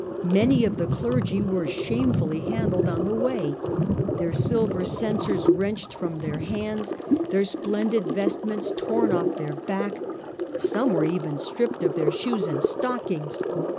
Many of the clergy were shame fiiUy handled on the way, their silver censers wrenched Pope and from their hands, their splendid vestments made^pri tom off their backs ; some were even stripped Hen^ ^ of their shoes and stockings.